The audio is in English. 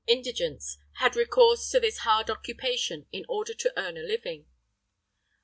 ] indigence, had recourse to this hard occupation, in order to earn a living.